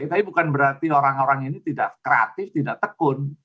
tapi bukan berarti orang orang ini tidak kreatif tidak tekun